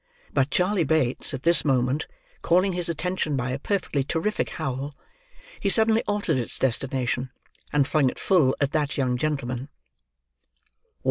But Charley Bates, at this moment, calling his attention by a perfectly terrific howl, he suddenly altered its destination, and flung it full at that young gentleman.